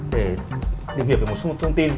để tìm hiểu một số thông tin